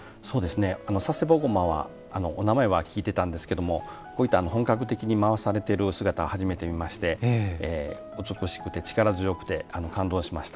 佐世保独楽は、お名前は聞いていたんですけどこういった本格的に回されている姿は初めて見まして美しくて力強くて感動しました。